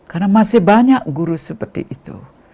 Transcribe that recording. karena masih banyak guru seperti itu